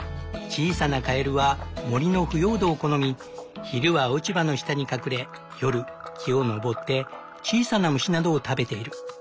小さなカエルは森の腐葉土を好み昼は落ち葉の下に隠れ夜木を登って小さな虫などを食べている。